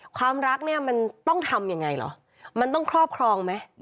ความรักเนี่ยมันต้องทำยังไงเหรอมันต้องครอบครองไหม